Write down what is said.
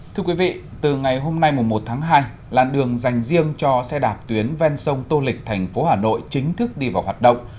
thưa quý vị từ ngày hôm nay một tháng hai làn đường dành riêng cho xe đạp tuyến ven sông tô lịch thành phố hà nội chính thức đi vào hoạt động